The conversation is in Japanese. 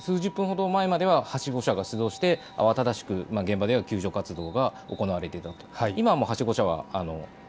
数十分ほど前までははしご車が出動して慌ただしく現場では救助活動が行われていた。